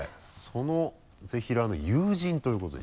そのぜひらーの友人ということで。